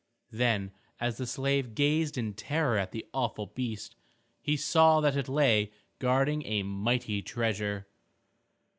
Then as the slave gazed in terror at the awful beast, he saw that it lay guarding a mighty treasure.